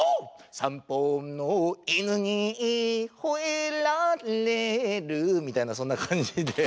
散歩の犬にほえられるみたいなそんな感じで。